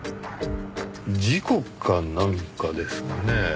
事故かなんかですかね？